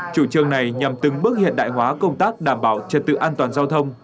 chủ trương này nhằm từng bước hiện đại hóa công tác đảm bảo trật tự an toàn giao thông